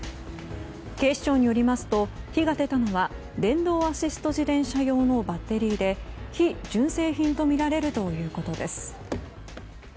警視庁によりますと火が出たのは電動アシスト自転車用のバッテリーで非純正品とみられるということです。